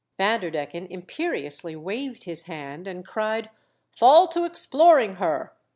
Vander decken imperiously waved his hand, and cried, " Fall to exploring her!"